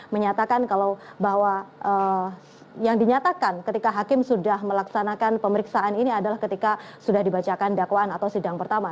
menyatakan kalau bahwa yang dinyatakan ketika hakim sudah melaksanakan pemeriksaan ini adalah ketika sudah dibacakan dakwaan atau sidang pertama